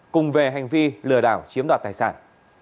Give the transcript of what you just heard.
cùng về hành vi lừa đảo chiếm đoạt tài sản